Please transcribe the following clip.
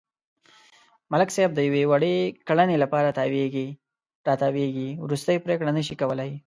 ملک صاحب د یوې وړې کړنې لپاره تاوېږي را تاووېږي، ورستۍ پرېکړه نشي کولای.